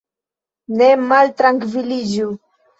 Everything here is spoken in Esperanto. Ne maltrankviliĝu.